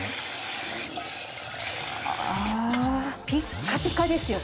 ああピッカピカですよ。